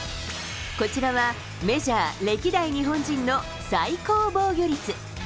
こちらは、メジャー歴代日本人の最高防御率。